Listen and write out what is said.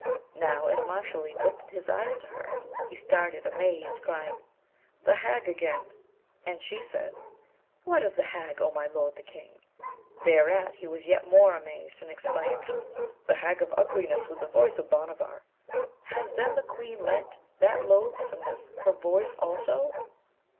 Now as Mashalleed lifted his eyes to her he started amazed, crying, 'The hag again!' and she said, 'What of the hag, O my lord the King?' Thereat he was yet more amazed, and exclaimed, 'The hag of ugliness with the voice of Bhanavar! Has then the Queen lent that loathsomeness her voice also?'